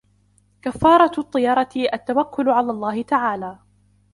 كَفَّارَةُ الطِّيَرَةِ التَّوَكُّلُ عَلَى اللَّهِ تَعَالَى